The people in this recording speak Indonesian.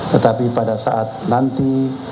tetapi pada saat nanti